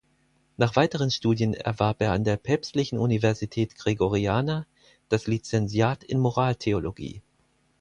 Nach weiteren Studien erwarb er an der Päpstlichen Universität Gregoriana das Lizenziat in Moraltheologie.